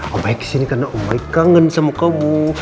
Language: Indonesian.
om baik kesini karena om baik kangen sama kamu